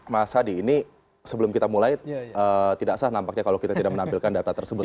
mas hadi ini sebelum kita mulai tidak sah nampaknya kalau kita tidak menampilkan data tersebut